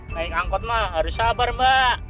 naik angkot mah harus sabar mbak